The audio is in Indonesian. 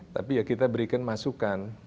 tapi ya kita berikan masukan